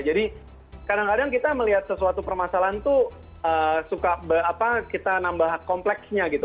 jadi kadang kadang kita melihat sesuatu permasalahan tuh suka kita nambah kompleksnya gitu